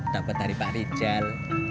dapet dari pak rijal